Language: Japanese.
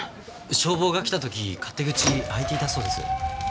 消防が来た時勝手口開いていたそうです。